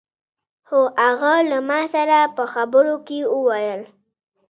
خو هغه له ما سره په خبرو کې وويل.